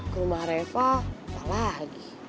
ke rumah reva apa lagi